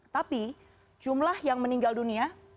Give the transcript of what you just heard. tapi jumlah yang meninggal dunia